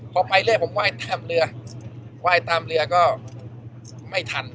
พอไปเรื่อยผมไหว้ตามเรือไหว้ตามเรือก็ไม่ทัน